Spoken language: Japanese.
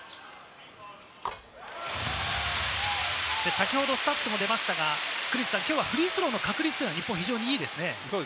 先ほど、スタッツが出ましたが、きょうはフリースローの確率が日本いいですよね。